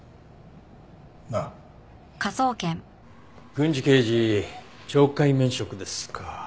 郡司刑事懲戒免職ですか。